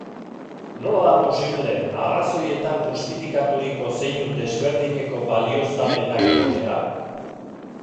Nola da posible arrazoietan justifikaturiko zeinu desberdineko balioztapenak egotea?